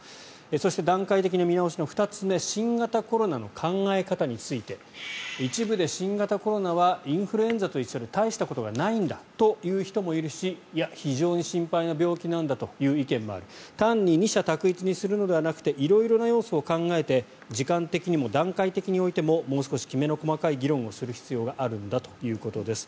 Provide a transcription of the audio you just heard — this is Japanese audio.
そして、段階的な見直しの２つ目新型コロナの考え方について一部で新型コロナはインフルエンザと一緒で大したことがないんだと言う人もいるしいや、非常に心配な病気なんだという意見もある単に二者択一にするのではなくて色々な要素を考えて時間的にも段階的においてももう少しきめの細かい議論をする必要があるんだということです。